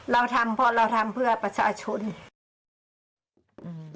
เราทำเพราะเราทำเพื่อประชาชนอืม